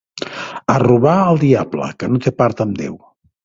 A robar al diable, que no té part amb Déu.